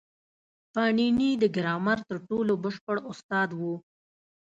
پاڼيڼى د ګرامر تر ټولو بشپړ استاد وو.